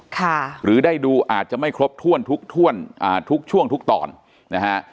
หรือได้ดูอาจจะไม่ครบถ้วนทุกถ้วนอ่าทุกช่วงทุกตอนนะฮะ